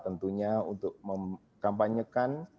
tentunya untuk memkampanyekan